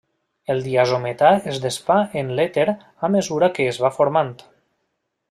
El diazometà es desfà en l'èter a mesura que es va formant.